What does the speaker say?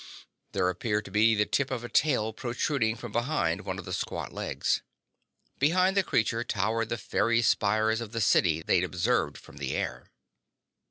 There appeared to be the tip of a tail protruding from behind one of the squat legs. Behind the creature towered the faery spires of the city they'd observed from the air.